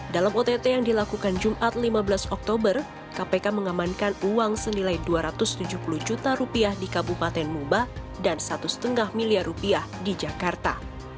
dalam ott yang dilakukan jumat lima belas oktober kpk mengamankan uang senilai dua ratus tujuh puluh juta rupiah di kabupaten muba dan rp satu lima miliar rupiah di jakarta